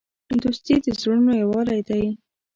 دوستي د زړونو یووالی دی.